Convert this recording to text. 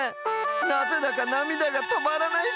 なぜだかなみだがとまらないっしょ！